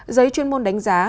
giới chuyên môn đánh giá